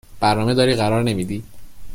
برنامه داری قرار نمیدی